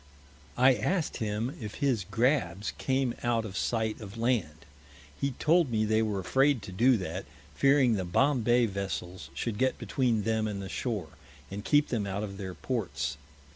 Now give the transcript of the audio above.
I asked him, if his Grabbs came out of Sight of Land. He told me they were afraid to do that, fearing the Bombay Vessels should get between them and the Shore, and keep them out of their Ports.